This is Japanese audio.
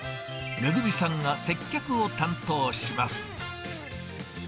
恵美さんが接客を担当します。